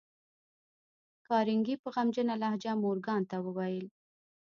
کارنګي په غمجنه لهجه مورګان ته وویل